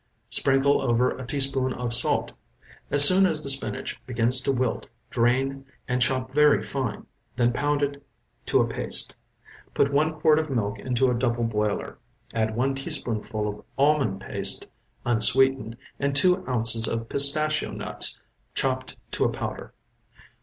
Sprinkle over a teaspoonful of salt. As soon as the spinach begins to wilt, drain and chop very fine, then pound it to a paste. Put one quart of milk into a double boiler; add one teaspoonful of almond paste unsweetened, and two ounces of pistachio nuts chopped to a powder.